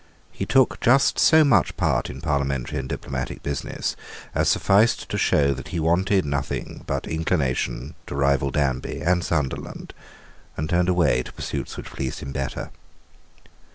He took just so much part in parliamentary and diplomatic business as sufficed to show that he wanted nothing but inclination to rival Danby and Sunderland, and turned away to pursuits which pleased him better.